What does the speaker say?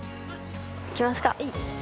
行きますか。